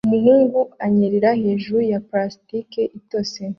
Umuhungu anyerera hejuru ya plastike itose